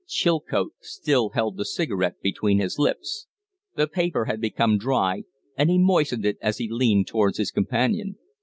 Chilcote still held the cigarette between his lips. The paper had become dry, and he moistened it as he leaned towards his companion.